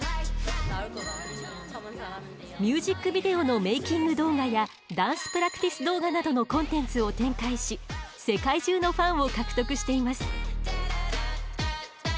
ミュージックビデオのメイキング動画やダンスプラクティス動画などのコンテンツを展開し世界中のファンを獲得しています。